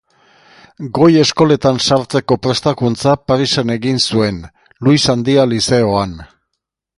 Goi eskoletan sartzeko prestakuntza Parisen egin zuen, Luis Handia Lizeoan.